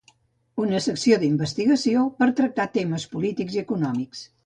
Una secció d'investigació per tractar temes polítics i econòmics.